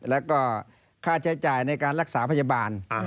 แล้วก็ค่าใช้จ่ายในการรักษาพยาบาล